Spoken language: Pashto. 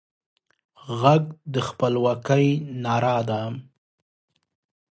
غږ د خپلواکۍ ناره ده